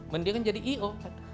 mendingan jadi i o